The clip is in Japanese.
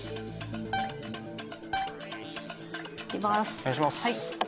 お願いします。